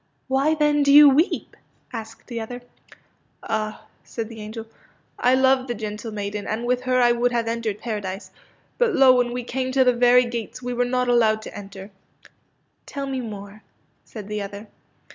'' Why, then, do you weep? " asked the other. '* Ah," said the angel, '^ I love the gentle maiden, and with her I would have entered Paradise. But, lo, when we came to the very gates we were not allowed to enter/' ^* Tell me more," said the other.